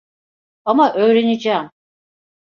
Ama öğreneceğim.